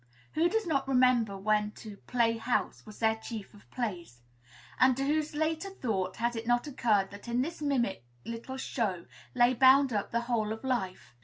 Who does not remember when to "play house" was their chief of plays? And to whose later thought has it not occurred that in this mimic little show lay bound up the whole of life?